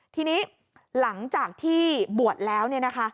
ทีนี้หลังจากที่บวชแล้ว